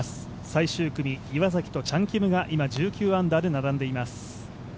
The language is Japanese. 最終組、岩崎とチャン・キムが今、１９アンダーで並んでいます。